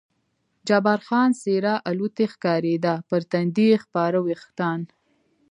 جبار خان څېره الوتی ښکارېده، پر تندي یې خپاره وریښتان.